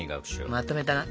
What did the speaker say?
まとめたな。